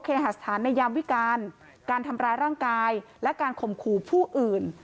หาสถานในยามวิการการทำร้ายร่างกายและการข่มขู่ผู้อื่น